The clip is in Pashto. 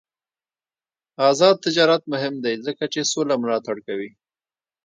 آزاد تجارت مهم دی ځکه چې سوله ملاتړ کوي.